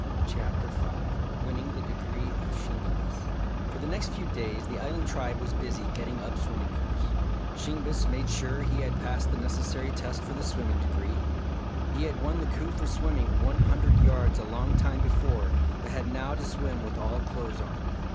CHAPTER FIVE WINNING THE DEGREE OF SHINGEBIS For the next few days the Island Tribe was busy getting up Swimming Coups. Shingebis made sure he had passed the necessary tests for the Swimming Degree. He had won the coup for swimming one hundred yards a long time before but had now to swim with all clothes on.